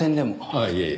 ああいえ。